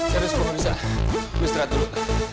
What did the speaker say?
serius gue gak bisa gue istirahat dulu